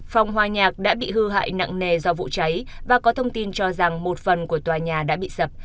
phòng hòa nhạc đã bị hư hại nặng nề do vụ cháy và có thông tin cho rằng một phần của tòa nhà đã bị sập